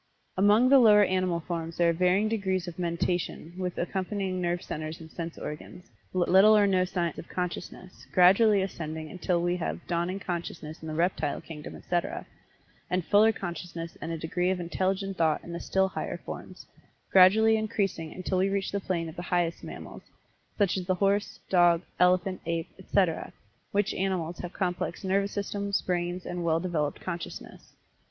Among the lower animal forms there are varying degrees of mentation with accompanying nerve centers and sense organs, but little or no signs of consciousness, gradually ascending until we have dawning consciousness in the reptile kingdom, etc., and fuller consciousness and a degree of intelligent thought in the still higher forms, gradually increasing until we reach the plane of the highest mammals, such as the horse, dog, elephant, ape, etc., which animals have complex nervous systems, brains and well developed consciousness.